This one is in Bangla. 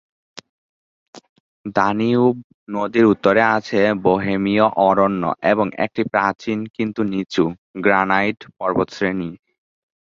দানিউব নদীর উত্তরে আছে বোহেমীয় অরণ্য এবং একটি প্রাচীন, কিন্তু নিচু, গ্রানাইট পর্বতশ্রেণী।